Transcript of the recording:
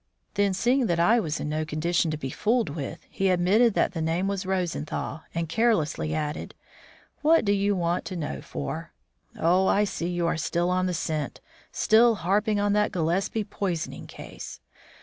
Then, seeing that I was in no condition to be fooled with, he admitted that the name was Rosenthal, and carelessly added, "What do you want to know for? Oh, I see, you are still on the scent; still harping on that Gillespie poisoning case.